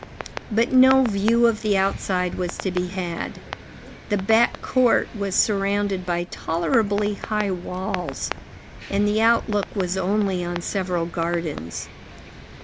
But no view of the outside was to be had. The back court was surrounded by tolerably high walls, and the outlook was only on several gardens.